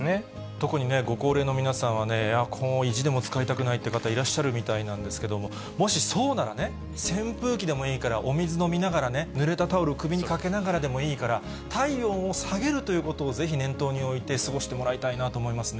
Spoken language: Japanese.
特にご高齢の皆さんはね、エアコンを意地でも使いたくないっていう方、いらっしゃるみたいなんですけども、もし、そうならね、扇風機でもいいから、お水飲みながらね、ぬれたタオル首にかけながらでもいいから、体温を下げるということを、ぜひ念頭に置いて過ごしてもらいたいなと思いますね。